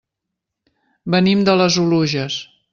Venim de les Oluges.